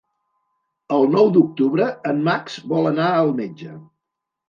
El nou d'octubre en Max vol anar al metge.